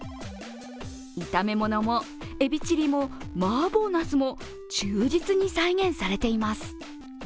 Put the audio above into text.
炒め物もエビチリもマーボーナスも忠実に再現されています。